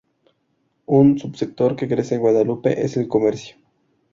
Un subsector que crece en Guadalupe es el comercio.